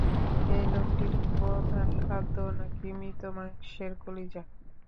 এই লোকটির প্রধান খাদ্য নাকি মৃত মানুষের কলিজা।